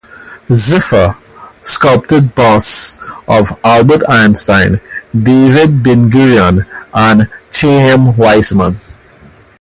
Ziffer sculpted busts of Albert Einstein, David Ben-Gurion and Chaim Weizmann.